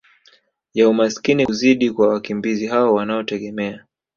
ya umaskini kuzidi kwa wakimbizi hao wanaotegemea